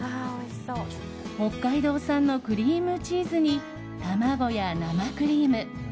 北海道産のクリームチーズに卵や生クリーム。